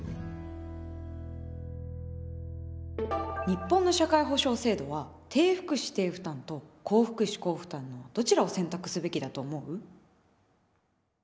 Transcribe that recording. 日本の社会保障制度は「低福祉・低負担」と「高福祉・高負担」のどちらを選択すべきだと思う？